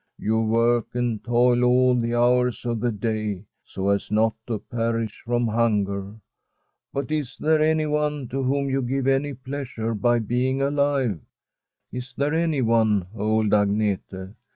You work and toil all the hours of the day so as not to perish from hunger. But is there any one to whom you give any pleasure by being alive ? Is there anyone, old Agnete